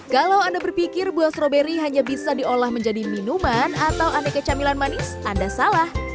kalau anda berpikir buah stroberi hanya bisa diolah menjadi minuman atau aneka camilan manis anda salah